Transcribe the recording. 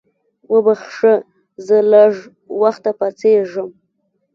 وبخښه زه لږ وخته پاڅېږم.